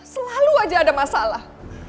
selalu aja ada masalah